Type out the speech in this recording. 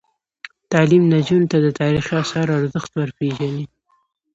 تعلیم نجونو ته د تاریخي اثارو ارزښت ور پېژني.